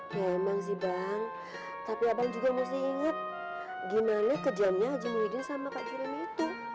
memang sih bang tapi abang juga mesti ingat gimana kerjanya haji muhyiddin sama kak jurim itu